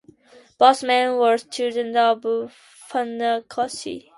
Both men were students of Funakoshi.